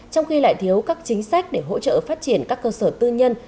trong khi lại thiếu các chính sách để hỗ trợ phát triển các cơ sở tư nhân